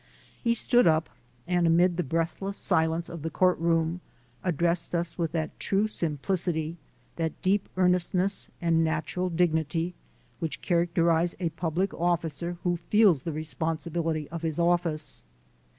He stood up, and amid the breathless silence of the court room, addressed us with that true simplicity, that deep earnestness and natural dignity which characterize a public officer who feels the responsibility of his office.